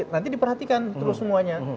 nanti diperhatikan terus semuanya